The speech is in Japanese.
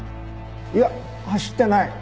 いや走ってない。